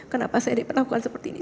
kenapa saya diperlakukan seperti ini